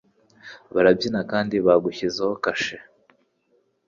Barabyina kandi bagushyizeho kashe.